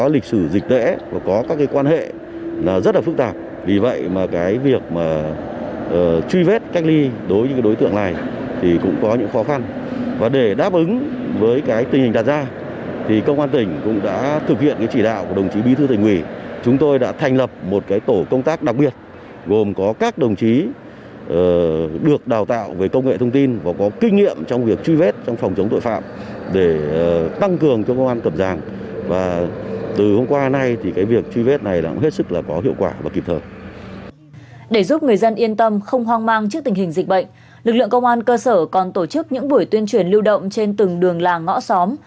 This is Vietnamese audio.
lực lượng công an cơ sở còn tổ chức những buổi tuyên truyền lưu động trên từng đường làng ngõ xóm